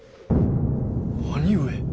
兄上？